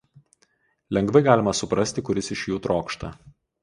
lengvai galima suprasti, kuris iš jų trokšta